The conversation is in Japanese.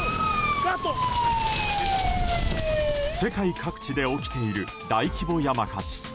世界各地で起きている大規模山火事。